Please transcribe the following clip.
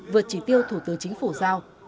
vượt trí tiêu thủ tư chính phủ giao